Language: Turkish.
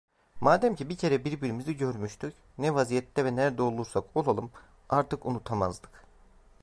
Mademki bir kere birbirimizi görmüştük, ne vaziyette ve nerede olursak olalım, artık unutamazdık.